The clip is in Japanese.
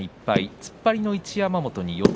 突っ張りの一山本に四つ